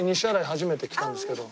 初めて来たんですけど。